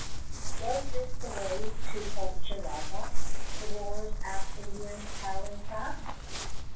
"Was this the way to Hochelaga?" the rowers asked Indians paddling past.